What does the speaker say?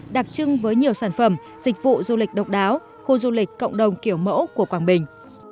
đặc trưng với nhiều sản phẩm dịch vụ du lịch độc đáo khu du lịch cộng đồng kiểu mẫu của quảng bình